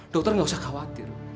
dokter gak usah khawatir